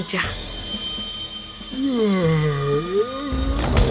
lalu dia pergi untuk tidur